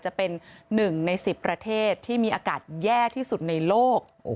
จะเป็น๑ใน๑๐ประเทศที่มีอากาศแย่ที่สุดในโลก